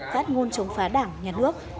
phát ngôn chống phá đảng nhà nước